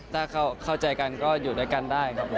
ถ้าเข้าใจกันก็อยู่ด้วยกันได้ครับผม